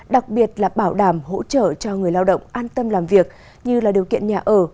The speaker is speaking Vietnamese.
đặc biệt là bảo đảm hỗ trợ cho người lao động an tâm làm việc như điều kiện nhà ở